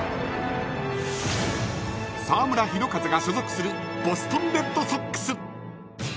澤村拓一が所属するボストン・レッドソックス。